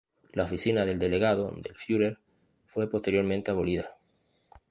La oficina del "Delegado del Führer" fue posteriormente abolida.